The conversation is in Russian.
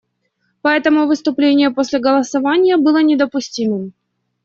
Поэтому выступление после голосования было недопустимым.